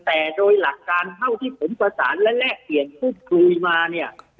แต่โดยหลักการเท่าที่ผมประสานและแลกเปลี่ยนพูดคุยมาเนี่ย